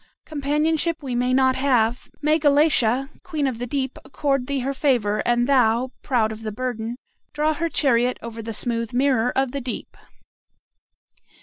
Companionship we may not have. May Galatea, queen of the deep, accord thee her favor, and thou, proud of the burden, draw her chariot over the smooth mirror of the deep."